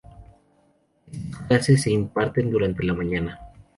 Estas clases se imparten durante la mañana.